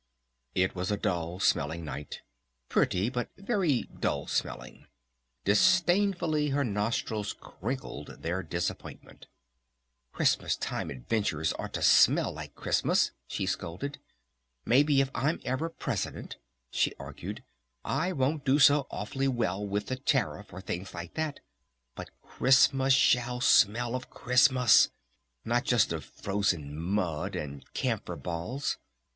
It was a dull smelling night. Pretty, but very dull smelling. Disdainfully her nostrils crinkled their disappointment. "Christmas Time adventures ought to smell like Christmas!" she scolded. "Maybe if I'm ever President," she argued, "I won't do so awfully well with the Tariff or things like that! But Christmas shall smell of Christmas! Not just of frozen mud! And camphor balls!...